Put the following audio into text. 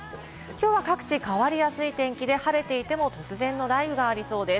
きょうは各地変わりやすい天気で晴れていても突然の雷雨がありそうです。